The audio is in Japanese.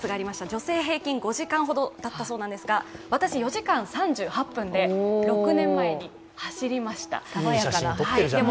女性は平均５時間ほどということですが、私、４時間３８分で、４年前に走りました。